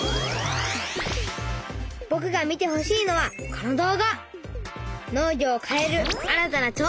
ぼくが見てほしいのはこの動画！